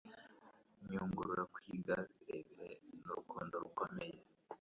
nyungurura kwiga birebire nurukundo rukomeye